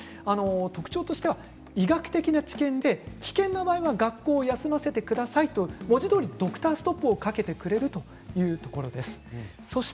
特徴としては医学的な知見で危険な場合は学校を休ませてくださいと児童にドクターストップをかけてくれるところです。